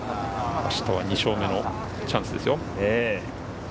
明日は２勝目のチャンスですよ。